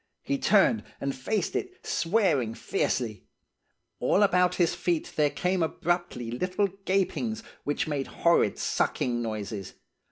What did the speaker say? He turned and faced it, swearing fiercely. All about his feet there came abruptly little gapings, which made horrid sucking noises.